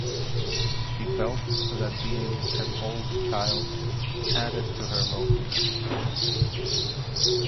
She felt that being an old child added to her loneliness.